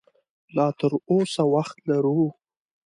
لا تراوسه وخت لرو